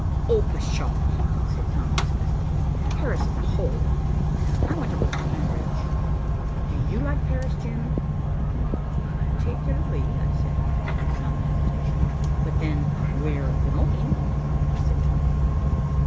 "Oh, pshaw!" said Tom disgustedly. "Paris is a hole. I want to go to Cambridge. Do you like Paris, Jim?" "Not particularly," I said, with some hesitation, "but then " "We're going," said Dorothy.